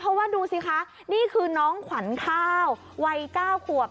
เพราะดูซิค่ะนี่คือน้องหวัญข้าวไว้๙ขวบ